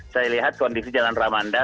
saya lihat kondisi jalan ramanda